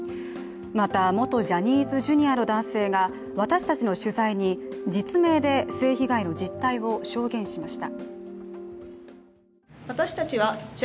また元ジャニーズＪｒ．の男性が私たちの取材に、実名で、性被害の実態を証言しました。